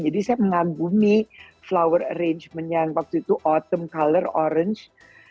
jadi saya mengagumi flower arrangement yang waktu itu autumn color orange